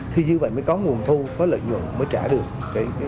thì như vậy mới có nguồn thu có lợi nhuận mới trả được đáo hạng này